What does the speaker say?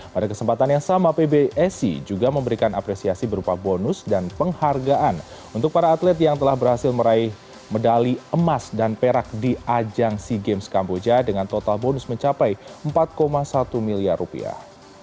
pada kesempatan yang sama pbsi juga memberikan apresiasi berupa bonus dan penghargaan untuk para atlet yang telah berhasil meraih medali emas dan perak di ajang sea games kamboja dengan total bonus mencapai empat satu miliar rupiah